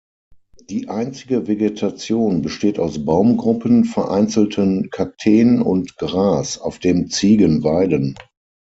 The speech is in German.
Die einzige Vegetation besteht aus Baumgruppen, vereinzelten Kakteen und Gras, auf dem Ziegen weiden.